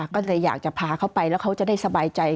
ก็เลยอยากจะพาเขาไปแล้วเขาจะได้สบายใจ